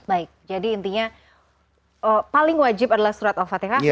kalau paling wajib adalah surah al fatihah